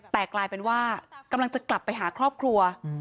แต่กลายเป็นว่ากำลังจะกลับไปหาครอบครัว